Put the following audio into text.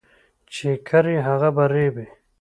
چي کرې، هغه به رېبې.